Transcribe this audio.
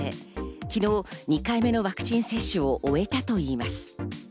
昨日、２回目のワクチン接種を終えたといいます。